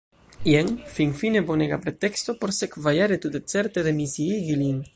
Jen – finfine bonega preteksto por sekvajare tute certe demisiigi lin.